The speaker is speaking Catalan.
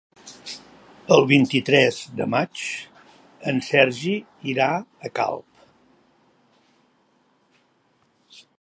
El vint-i-tres de maig en Sergi irà a Calp.